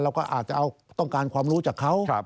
เราก็อาจจะต้องการความรู้จากเขา